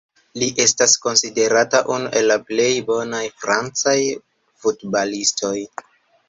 Li estas konsiderata unu el la plej bonaj francaj futbalistoj.